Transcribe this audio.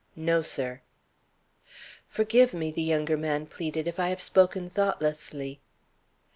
"No, sir." "Forgive me," the younger man pleaded, "if I have spoken thoughtlessly."